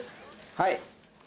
はい。